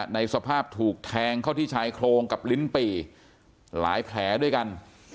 ในสภาพถูกแทงเข้าที่ชายโครงกับลิ้นปี่หลายแผลด้วยกัน